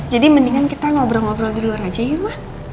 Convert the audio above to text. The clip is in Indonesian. jadi mendingan kita ngobrol ngobrol di luar aja ya ma